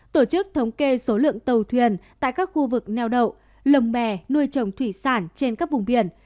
tổ chức thống kê số lượng tàu thuyền tại các khu vực neo đậu lồng bè nuôi trồng thủy sản trên các vùng biển